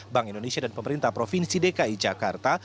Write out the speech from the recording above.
bank indonesia dan pemerintah provinsi dki jakarta